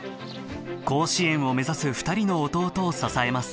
甲子園を目指す二人の弟を支えます